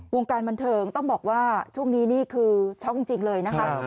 วงการบันเทิงต้องบอกว่าช่วงนี้นี่คือช็อกจริงเลยนะคะ